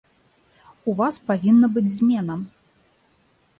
У вас павінна быць змена!